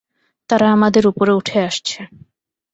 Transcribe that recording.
তারা আমাদের উপরে উঠে আসছে!